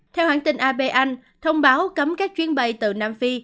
theo hãng tin ap anh thông báo cấm các chuyến bay từ nam phi